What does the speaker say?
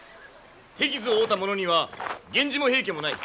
手傷を負うた者には源氏も平家もない。